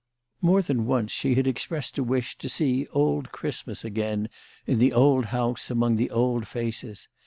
More than once had she expressed a wish to see old Christmas again in the old house among the old faces.